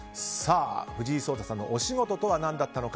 藤井聡太さんのおしごととは何だったのか？